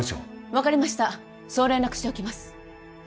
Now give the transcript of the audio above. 分かりましたそう連絡しておきます